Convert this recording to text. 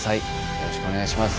よろしくお願いします。